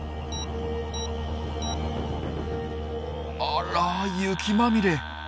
あら雪まみれ。